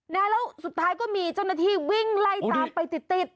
แล้วสุดท้ายก็มีเจ้าหน้าที่วิ่งไล่ตามไปติดติด